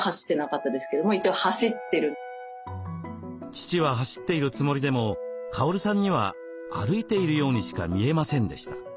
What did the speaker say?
父は走っているつもりでもカオルさんには歩いているようにしか見えませんでした。